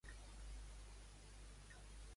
A qui s'honrarà amb això?